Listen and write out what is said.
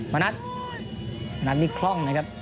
มะนัดมะนัดมีคล่องนะครับ